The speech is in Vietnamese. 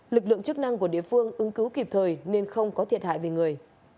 lực lượng chức năng của địa phương ứng cứu kịp thời nên không có thiệt hại về người